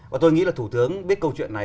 và tôi nghĩ là thủ tướng biết câu chuyện này